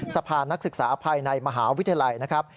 สะพานนักศึกษาภายในมหาวิทยาลัย